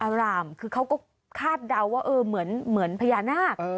อารามคือเขาก็คาดเดาว่าเออเหมือนพญานาค